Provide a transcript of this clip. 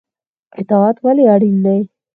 اطاعت ولې اړین دی؟